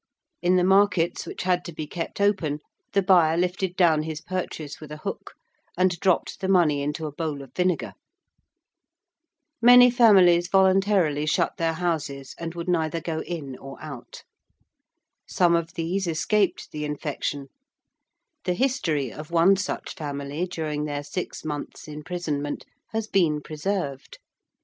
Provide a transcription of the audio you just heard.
In the markets which had to be kept open, the buyer lifted down his purchase with a hook and dropped the money into a bowl of vinegar. Many families voluntarily shut their houses and would neither go in or out. Some of these escaped the infection; the history of one such family during their six months' imprisonment has been preserved.